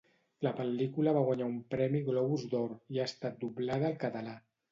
La pel·lícula va guanyar un premi Globus d'Or, i ha estat doblada al català.